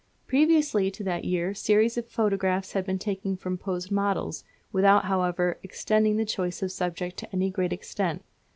Previously to that year series of photographs had been taken from posed models, without however extending the choice of subjects to any great extent.